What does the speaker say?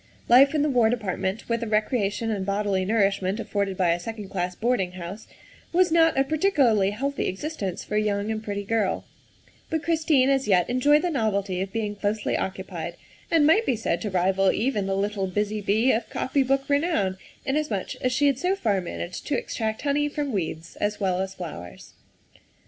Life in the War Department, with the recreation and bodily nourishment afforded by a second class boarding house, was not a particularly healthy existence for a young and pretty girl, but Christine as yet enjoyed the novelty of being closely occupied, and might be said to rival even the little busy bee of copy book renown, inasmuch as she had so far managed to extract honey from weeds as well as flowers.